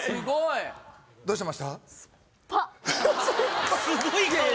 どうしました？